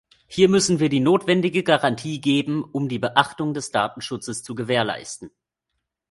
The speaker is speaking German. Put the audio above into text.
Hier müssen wir die notwendigen Garantien geben, um die Beachtung des Datenschutzes zu gewährleisten.